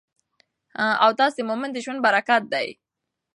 اودس د مؤمن د ژوند برکت دی.